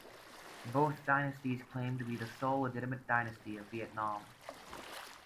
Both dynasties claimed to be the sole legitimate dynasty of Vietnam.